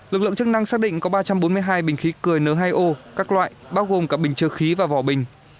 lực lượng chức năng xác định có ba trăm bốn mươi hai bình khí cười n hai o các loại bao gồm cả bình chơ khí và vỏ bình